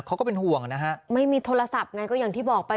ก็เป็นห่วงนะฮะไม่มีโทรศัพท์ไงก็อย่างที่บอกไป